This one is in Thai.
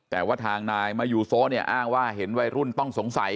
แต่ว่าทางนายมายูโซเนี่ยอ้างว่าเห็นวัยรุ่นต้องสงสัย